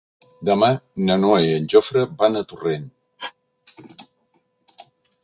Demà na Noa i en Jofre van a Torrent.